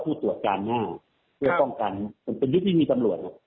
เพื่อเก็บคลับขันลงสะพาน